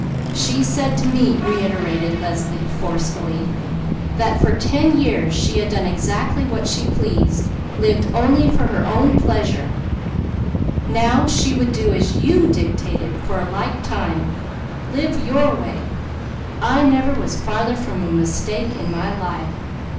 "She said to me," reiterated Leslie forcefully, "that for ten years she had done exactly what she pleased, lived only for her own pleasure, now she would do as you dictated for a like time, live your way I never was farther from a mistake in my life.